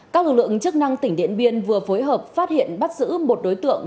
các lực lượng chức năng tỉnh điện biên vừa phối hợp phát hiện bắt giữ một đối tượng